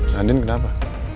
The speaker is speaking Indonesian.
mbak andin kenapa